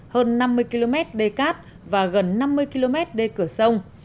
hơn năm mươi km đê cát và gần năm mươi km đê cửa sông